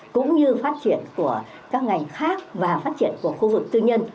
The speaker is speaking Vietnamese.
cũng như phát triển của các ngành khác và phát triển của khu vực tư nhân